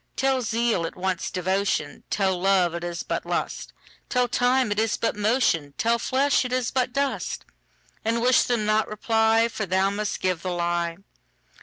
Tell zeal it wants devotion; Tell love it is but lust; Tell time it is but motion; Tell flesh it is but dust:And wish them not reply, For thou must give the lie.